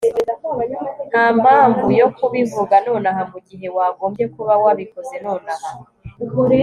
ntampamvu yo kubivuga nonaha mugihe wagombye kuba wabikoze nonaha